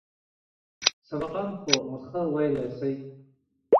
سبقان خو ښه ويلى سئ.